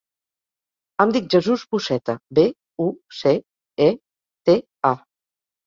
Em dic Jesús Buceta: be, u, ce, e, te, a.